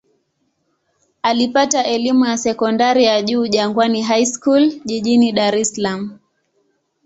Alipata elimu ya sekondari ya juu Jangwani High School jijini Dar es Salaam.